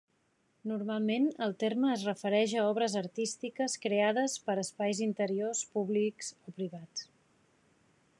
Normalment el terme es refereix a obres artístiques creades per espais interiors, públics o privats.